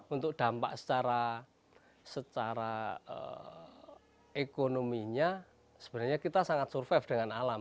untuk dampak secara ekonominya sebenarnya kita sangat survive dengan alam